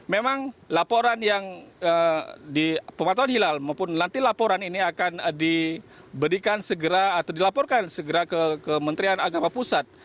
memang laporan yang di pemantauan hilal maupun nanti laporan ini akan diberikan segera atau dilaporkan segera ke kementerian agama pusat